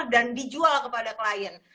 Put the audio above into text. dan dijual kepada klien